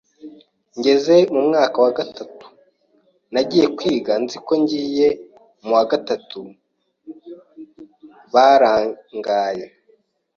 Ngeze mu mwaka wa gatatu nagiye kwiga nzi ko ngiye mu wa gatatu barangay